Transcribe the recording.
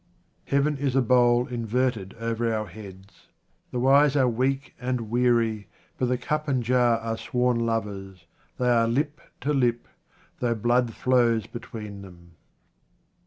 Heaven is a bowl inverted over our heads. The wise are weak and weary, but the cup and jar are sworn lovers. They are lip to lip, though blood flows between them.